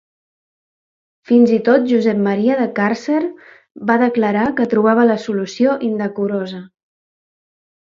Fins i tot Josep Maria de Càrcer va declarar que trobava la solució indecorosa.